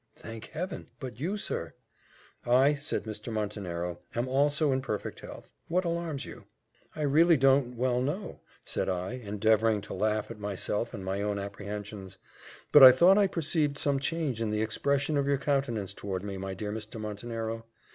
"Thank Heaven! But you, sir?" "I," said Mr. Montenero, "am also in perfect health. What alarms you?" "I really don't well know," said I, endeavouring to laugh at myself, and my own apprehensions; "but I thought I perceived some change in the expression of your countenance towards me, my dear Mr. Montenero.